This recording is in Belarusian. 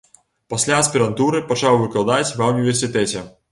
Пасля аспірантуры пачаў выкладаць ва ўніверсітэце.